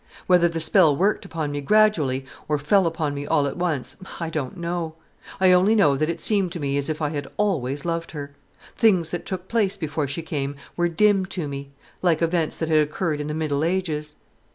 'Whether the spell worked upon me gradually or fell upon me all at once, I don't know. I only know that it seemed to me as if I had always loved her. Things that took place before she came were dim to me, like events that had occurred in the Middle Ages.